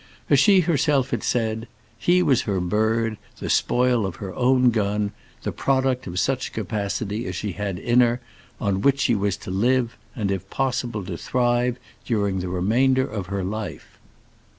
As she herself had said, he was her bird, the spoil of her own gun, the product of such capacity as she had in her, on which she was to live, and, if possible, to thrive during the remainder of her life.